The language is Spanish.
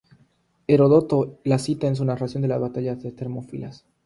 Heródoto la cita en su narración de la Batalla de las Termópilas.